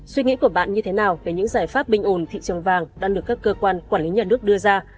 suy nghĩ của bạn như thế nào về những giải pháp bình ồn thị trường vàng đang được các cơ quan quản lý nhà nước đưa ra